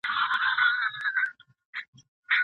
ازاد انسان خرڅول کوچنی جرم نه دی.